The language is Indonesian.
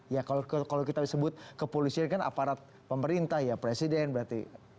ya kalau kita sebut kepolisian kan aparat pemerintah ya presiden berarti